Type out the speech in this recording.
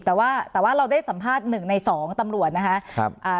แต่ว่าแต่ว่าเราได้สัมภาษณ์หนึ่งในสองตำรวจนะคะครับอ่า